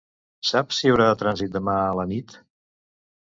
Saps si hi haurà trànsit dimarts a la nit?